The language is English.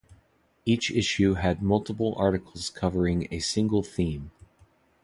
Each issue had multiple articles covering a single theme.